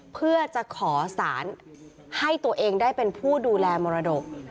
เพื่อจะขอสารให้ตัวเองได้เป็นผู้ดูแลมรดก